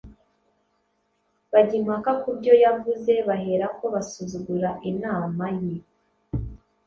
bajya impaka ku byo yavuze baherako basuzugura inama ye.